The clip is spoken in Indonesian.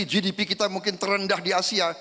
gdp kita mungkin terendah di asia